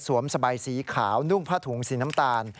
สบายสีขาวนุ่งผ้าถุงสีน้ำตาล